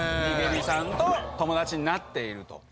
ＢＫＢさんと友達になっていると。